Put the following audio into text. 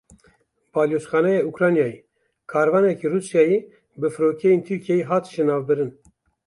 Balyozxaneya Ukraynayê: Karwaneke Rûsyayê bi firokeyên Tirkiyeyê hat jinavbirin.